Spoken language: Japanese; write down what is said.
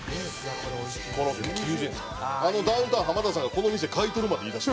あのダウンタウン浜田さんが「この店買い取る」まで言いだして。